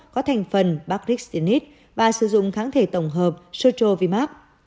có thành phần baricitinib và sử dụng kháng thể tổng hợp strovimab